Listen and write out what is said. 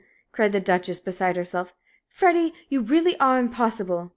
cried the Duchess, beside herself. "Freddie, you really are impossible!